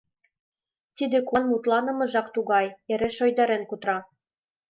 Тиде куван мутланымыжак тугай, эре шуйдарен кутыра.